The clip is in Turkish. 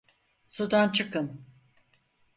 Sudan çıkın!